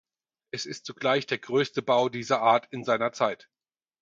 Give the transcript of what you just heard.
Es ist zugleich der größte Bau dieser Art in seiner Zeit.